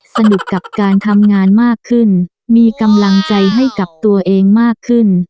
สนุกกับการทำงานมากขึ้นมีกำลังใจให้กับตัวเองมากขึ้น